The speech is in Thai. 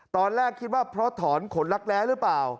ตอนแรกคิดว่าเพราะถอนขนลักแร้หรือเปล่า